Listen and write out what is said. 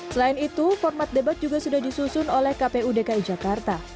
selain itu format debat juga sudah disusun oleh kpu dki jakarta